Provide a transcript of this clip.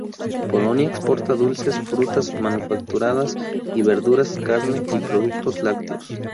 Polonia exporta dulces, frutas manufacturadas y verduras, carne y productos lácteos.